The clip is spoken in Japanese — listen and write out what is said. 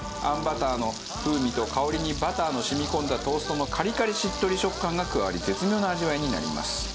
あんバターの風味と香りにバターの染み込んだトーストのカリカリしっとり食感が加わり絶妙な味わいになります。